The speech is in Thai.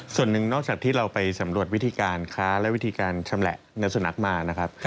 ส่วนหนึ่งนอกจากที่เราไปสำรวจวิธีการค้าและวิธีการชำแหละเนื้อสุนัขมานะครับ